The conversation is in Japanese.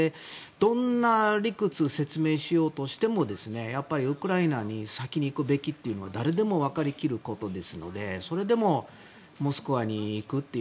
どんな理屈説明しようとしてもウクライナに先に行くべきというのは誰でも分かりきっていることなのでそれでもモスクワに行くと。